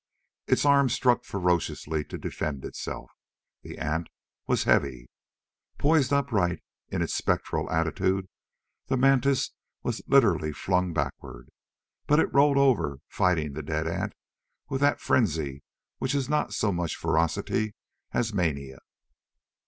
Its arms struck ferociously to defend itself. The ant was heavy. Poised upright in its spectral attitude, the mantis was literally flung backward. But it rolled over, fighting the dead ant with that frenzy which is not so much ferocity as mania.